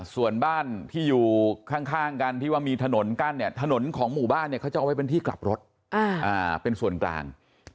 ส่วนบ้านที่อยู่ข้างกันที่ว่ามีถนนกั้นเนี่ยถนนของหมู่บ้านเนี่ยเขาจะเอาไว้เป็นที่กลับรถเป็นส่วนกลาง